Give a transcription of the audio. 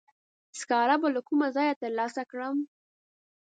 سکاره به له کومه ځایه تر لاسه کړم؟